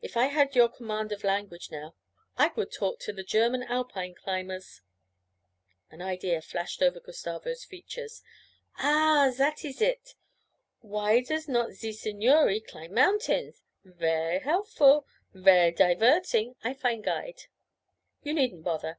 If I had your command of language, now, I would talk to the German Alpine climbers.' An idea flashed over Gustavo's features. 'Ah, zat is it! Why does not ze signore climb mountains? Ver' helful; ver' diverting. I find guide.' 'You needn't bother.